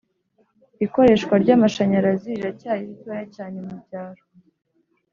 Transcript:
ikoreshwa ry'amashanyarazi riracyari ritoya cyane mu byaro